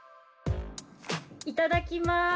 いただきます。